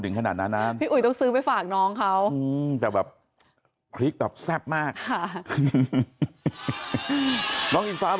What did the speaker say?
ถึงขนาดนั้นไว้สืบไปฝากน้องเขาแต่แบบพริกแบบแซ่บมากค่ะ